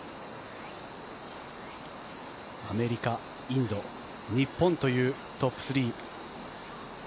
アメリカ、インド、日本というトップ３。